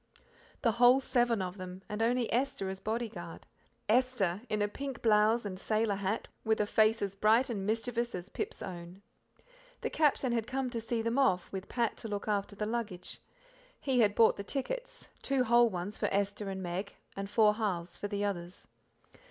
The whole seven of them, and only Esther as bodyguard Esther in a pink blouse an sailor hat, with a face as bright and mischievous as Pip's own. The Captain had come to see them off, with Pat to look after the luggage. He had bought the tickets two whole ones for Esther and Meg, and four halves for the others.